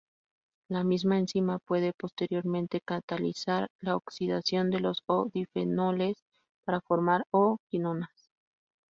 La misma enzima puede, posteriormente, catalizar la oxidación de los O-difenoles para formar "O"-quinonas.